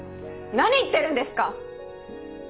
何言ってるんですか！